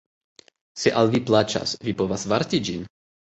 Se al vi plaĉas, vi povas varti ĝin?